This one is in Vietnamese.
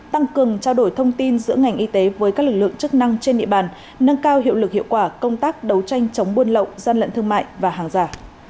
tăng cường trao đổi thông tin giữa ngành y tế với các lực lượng chức năng trên địa bàn nâng cao hiệu lực hiệu quả công tác đấu tranh chống buôn lậu gian lận thương mại và hàng giả